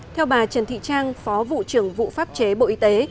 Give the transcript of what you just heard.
theo bà trần thị trang phó vụ trưởng vụ pháp chế bộ y tế